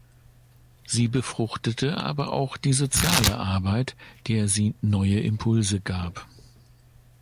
Sie befruchtete aber auch die soziale Arbeit, der sie neue Impulse gab.